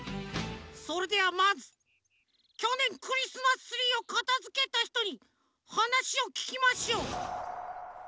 それではまずきょねんクリスマスツリーをかたづけたひとにはなしをききましょう。